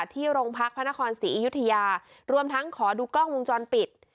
ที่โรงพักพระนครศรีอยุธยารวมทั้งขอดูกล้องวงจรปิด